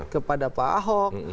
kepada pak ahok